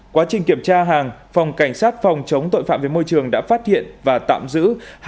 quá trình kiểm tra hàng phòng cảnh sát phòng chống tội phạm về môi trường đã phát hiện và tạm giữ